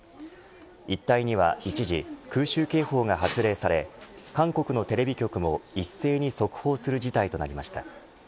一帯には一時空襲警報が発令され韓国のテレビ局も一斉に速報する事態となりました。